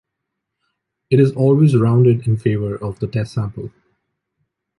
It is always rounded in favor of the test sample.